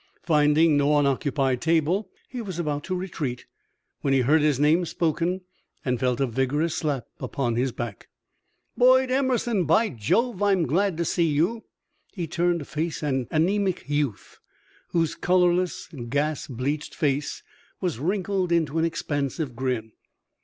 Finding no unoccupied table, he was about to retreat when he heard his name spoken and felt a vigorous slap upon the back. "Boyd Emerson! By Jove, I'm glad to see you!" He turned to face an anaemic youth whose colorless, gas bleached face was wrinkled into an expansive grin.